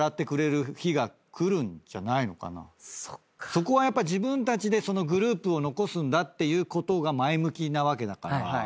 そこは自分たちでそのグループを残すんだっていうことが前向きなわけだから。